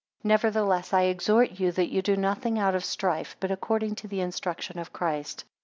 19 Nevertheless I exhort you that you do nothing out of strife but according to the instruction of Christ.